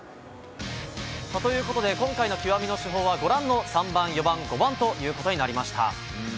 ということで、今回の極みの主砲はご覧の３番、４番、５番ということになりました。